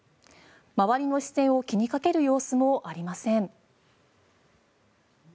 周りの視線を気にかける様子もありません。